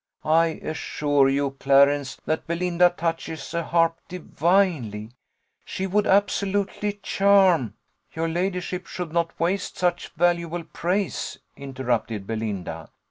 I assure you, Clarence, that Belinda touches a harp divinely she would absolutely charm " "Your ladyship should not waste such valuable praise," interrupted Belinda.